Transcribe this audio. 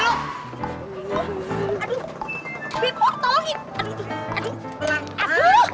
aduh lebih montongin aduh aduh aduh